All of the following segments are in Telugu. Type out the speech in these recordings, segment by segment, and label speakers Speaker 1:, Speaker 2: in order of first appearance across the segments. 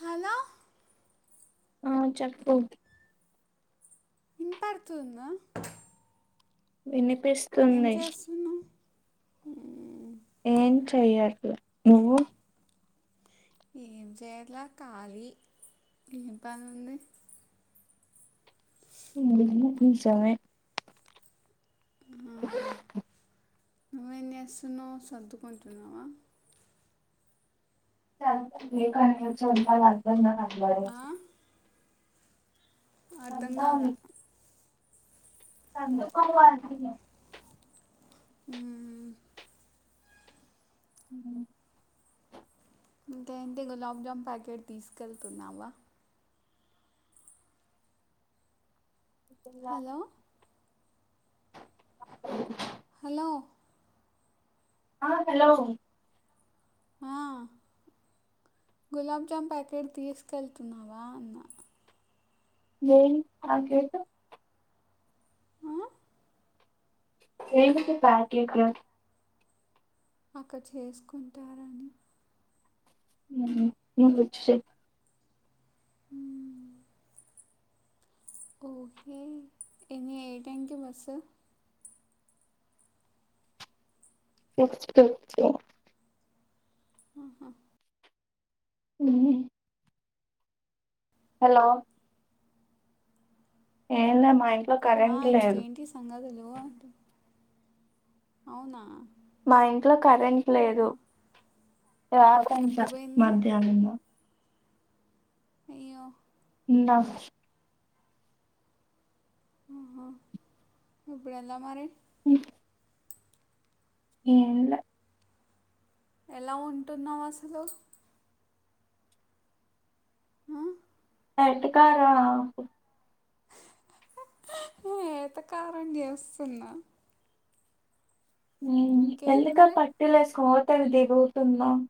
Speaker 1: హలో
Speaker 2: ఆ చెప్పు
Speaker 1: విన్ పడుతుంద ఏం
Speaker 2: వినిపిస్తుంది
Speaker 1: చేస్తున్నావు మ్మ్.
Speaker 2: ఏం చెయ్యట్లా నువ్వు
Speaker 1: ఏం చేయట్ల కాలీ ఏం పన్ద్
Speaker 2: [unintelligible]
Speaker 1: నువెం చేస్తునావ్ సర్దుకుంటున్నావా ఆ,
Speaker 2: [inaudible]
Speaker 1: అర్థం కాల
Speaker 2: [inaudible]
Speaker 1: ఉమ్
Speaker 2: ఉమ్
Speaker 1: ఇంకేంటి గులాబ్జామ్ ప్యాకెట్ తీస్కెళ్తున్నామ్ హలో
Speaker 2: [unintelligible]
Speaker 1: హలో
Speaker 2: అ హలో
Speaker 1: అ గులాబ్జామ్ ప్యాకెట్ తీస్కెళ్తున్నావా
Speaker 2: [unintelligible]
Speaker 1: ఆ,
Speaker 2: దేనికి పాకెట్
Speaker 1: అక్కడ చేసుకుంటారని
Speaker 2: మ్మ్ హ్మ్ [unintelligible]
Speaker 1: మ్మ్ ఓకే ఎని ఏ టైమ్ కి బస్సు
Speaker 2: సిక్స్ థర్టీ
Speaker 1: ఆహ
Speaker 2: మ్మ్ హలో ఏంద మా ఇంట్లో కరెంట్ లేదు
Speaker 1: సంగ తెలివ అంట అవునా
Speaker 2: మా ఇంట్లో కరెంట్ లేదు
Speaker 1: ఆహా
Speaker 2: రాదంట
Speaker 1: ఎప్పుడు పోయింది
Speaker 2: మధ్యానము
Speaker 1: అయ్యో
Speaker 2: ఇంద
Speaker 1: ఆహా ఇప్పుడెలా మరి
Speaker 2: మ్మ్ ఏం ల
Speaker 1: ఎలా ఉంటున్నావు అసలు ఆ
Speaker 2: అరటి కాడ
Speaker 1: వెటకారం చేస్తున్న ఇంకేంది
Speaker 2: ఎందుకా
Speaker 1: మరి
Speaker 2: పట్టలేస్ ఓ తెగ తిరుగుతున్నావ్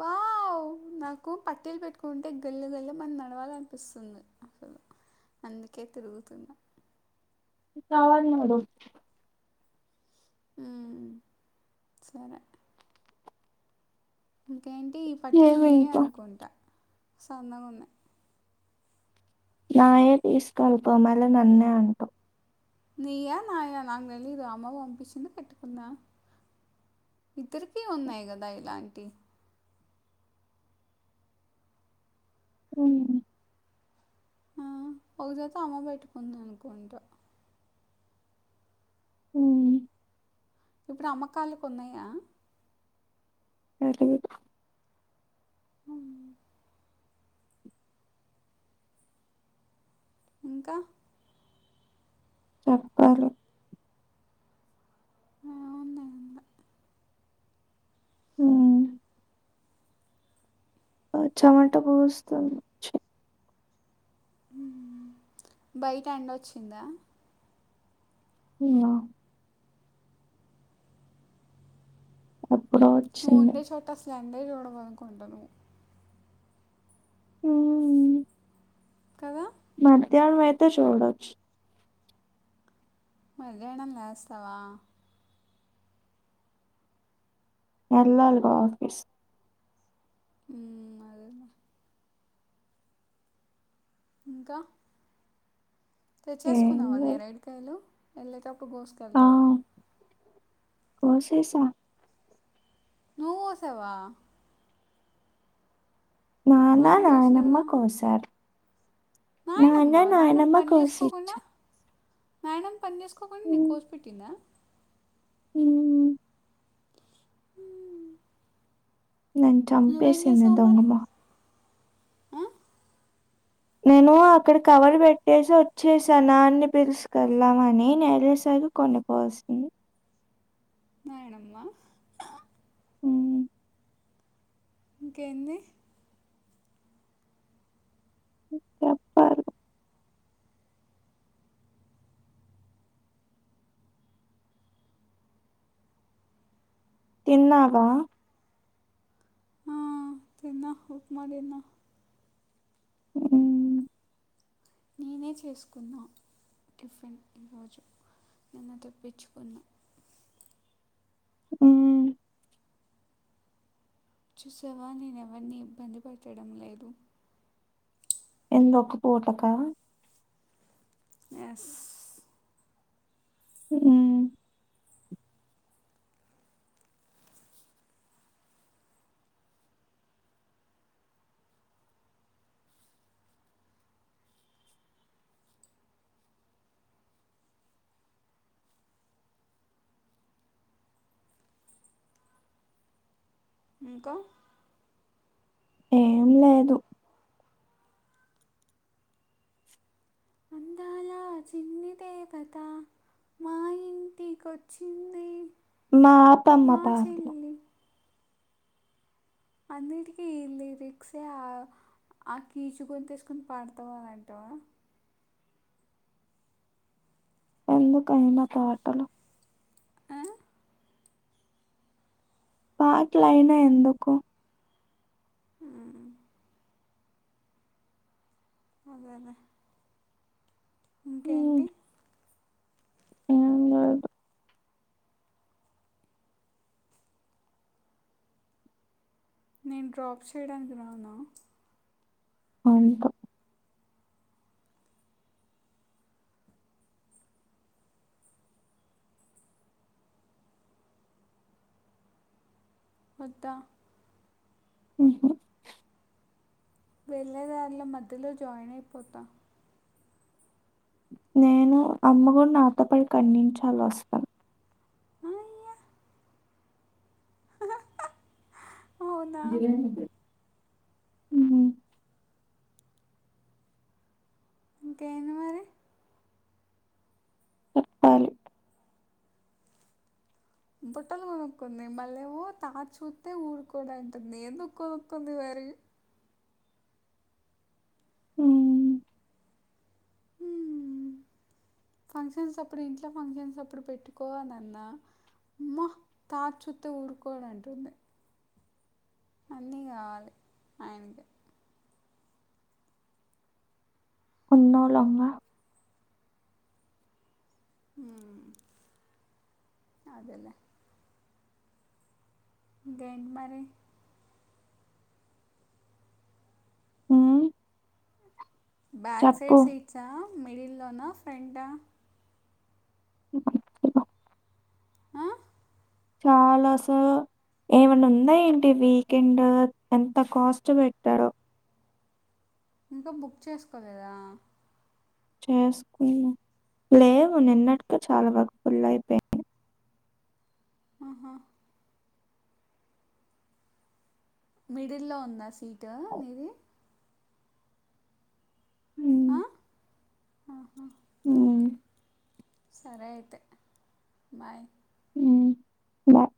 Speaker 1: వావ్ నాకు పట్టీలు పెట్టుకుంటే గల్లు గల్లుమని నడవాలనిపిస్తుంది అస అందుకే తిరుగుతున్నా
Speaker 2: కావాల మడి
Speaker 1: మ్మ్ సరే ఇంకేంటి ఈ పట్టీలు
Speaker 2: ఏమి
Speaker 1: తియ్య
Speaker 2: ఇంకా
Speaker 1: అనుకుంటా సన్నగా ఉన్నాయి
Speaker 2: నాయే తీసుకెళపో మళ్ళీ నన్నే అంటావు
Speaker 1: నీయ నాయ నాకు తెలీదు అమ్మ పంపిచ్చింటే కట్టుకున్న ఇద్దరికీ ఉన్నాయి కదా ఇలాంటి
Speaker 2: మ్మ్
Speaker 1: ఆ ఒక జత అమ్మ పెట్టుకుంది అనుకుంటా
Speaker 2: మ్మ్
Speaker 1: ఇప్పుడు అమ్మకాళ్లకు ఉన్నాయా
Speaker 2: తెలీదు
Speaker 1: మ్మ్ ఇంకా
Speaker 2: చెప్పారు
Speaker 1: ఆ [unintelligible]
Speaker 2: మ్మ్ ఆ చెమట పోస్తుంది
Speaker 1: బయట ఎండ వచ్చిందా
Speaker 2: ఏమో అప్పుడు
Speaker 1: నువ్వు ఉండే చోట అసలు ఎండే చూడవు అనుకుంట నువు
Speaker 2: ఉ
Speaker 1: కదా
Speaker 2: మధ్యాహ్నం అయితే చూడొచ్చు
Speaker 1: మధ్యాహ్నం లేస్తావా
Speaker 2: ఎల్లాలీగా ఆఫీస్
Speaker 1: ఉ ఇంకా
Speaker 2: ఏం
Speaker 1: తెచ్చేసుకున్నావా
Speaker 2: లేదు
Speaker 1: నేరేడికాయలు వెళ్లేటప్పుడు
Speaker 2: ఆ
Speaker 1: గోసుకెళ్తావా
Speaker 2: కోసేసా
Speaker 1: నువ్వు కోశావా
Speaker 2: నాన్న నానమ్మ కోశారు
Speaker 1: నాయనమ్మా నాయనమ్మ పన్
Speaker 2: కోసి
Speaker 1: చేసుకోకుండా నాయనమ్మా పన్ చేసుకోకుండా నీకు కోసిపెట్టింద
Speaker 2: ఉ నేన్
Speaker 1: నువ్వేం
Speaker 2: చంపేసింది
Speaker 1: చేసావు మరి
Speaker 2: ఇంతకుముంద
Speaker 1: ఆ?
Speaker 2: నేను అక్కడ కవర్ పెట్టేసి వచ్చేసానా అన్ని పిలుసుకెళ్ళమని నేల్సర్ కొన్ని పోసింది
Speaker 1: నాయనమ్మ
Speaker 2: ఉ
Speaker 1: ఇంకేంది
Speaker 2: చెప్పాల తిన్నావా
Speaker 1: ఆ తిన్న ఉప్మా తిన్న
Speaker 2: ఉ
Speaker 1: నేనే చేసుకున్నా టిఫిన్ ఈరోజు నిన్న తెప్పించుకున్నా
Speaker 2: ఉ
Speaker 1: చూసావా నేను ఎవరిని ఇబ్బంది పెడట్టడం లేదు
Speaker 2: ఏంది ఒక పూటకా
Speaker 1: ఎస్
Speaker 2: ఉ
Speaker 1: ఇంకా
Speaker 2: ఏం లేదు
Speaker 1: ఆ చిన్ని దేవత మా ఇంటికిొచ్చింది
Speaker 2: మా పమ్మ పార్ట్ లో
Speaker 1: అన్నిటికీ ఈ లిరిక్సే ఆ ఆ కీచు గొంతు ఏసుకుొని పాడతావా అంటవా
Speaker 2: ఎందుకు అయినా పాటలు
Speaker 1: ఆ?
Speaker 2: పాట్లు అయినా ఎందుకు
Speaker 1: ఉ అదేలే
Speaker 2: ఉమ్,
Speaker 1: ఇంకేంటి
Speaker 2: ఏం లేదు
Speaker 1: నేను డ్రాప్ చేయడానికి రామన్
Speaker 2: అంతా
Speaker 1: వద్దా
Speaker 2: ఉహు
Speaker 1: వెళ్ళేదారిలో మధ్యలో జాయిన్ అయిపోతా
Speaker 2: నేను అమ్మకూడ నాతో పాటు ఒక ఐదు నిమిషాలు వస్తది
Speaker 1: అయ్యా అవునా
Speaker 2: జీ [unintelligible]
Speaker 1: ఇంకేంది మరి
Speaker 2: చెప్పాలి
Speaker 1: బుట్టలు కొనుక్కుంది మళ్ళెమో తాతచూతే ఊరుకోడు అంటుంది ఎందుకు కొనుక్కుంది మరి
Speaker 2: ఉమ్
Speaker 1: మ్మ్. ఫంక్షన్స్ అప్పుడు ఇంట్లో ఫంక్షన్స్ అప్పుడు పెట్టుకోవాలన్న ఆమ్మో తాతా చుత్తే ఊరుకోడు అంటుంది అన్నీ కావాలి ఆయనకి
Speaker 2: ఉన్నోలమ్మ
Speaker 1: ఉమ్ అదేలే ఇంకేంటి మరి
Speaker 2: ఉ
Speaker 1: బ్యాక్ సైడ్ సీట్సా మిడిల్లోనా ఫ్రెంట్టా
Speaker 2: హమ్
Speaker 1: ఆ
Speaker 2: చాలసో ఏమైన్నా ఉందా ఏంటి వీకెండ్ ఎంత కాస్ట్ పెట్టారో
Speaker 1: ఇంకా బుక్ చేసుకోలేదా
Speaker 2: చేసుకున్నా లేవు నిన్నటీకే చాలా వరకు ఫుల్ అయిపోయింది
Speaker 1: ఆహా మిడిల్లో ఉందా సీటు నిది ఆ
Speaker 2: హ్మ్.
Speaker 1: ఆహా
Speaker 2: హ్మ్.
Speaker 1: ఓకే సరే అయితే బాయ్
Speaker 2: ఉమ్ బాయ్